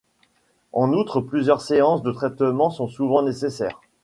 En outre plusieurs séances de traitement sont souvent nécessaires.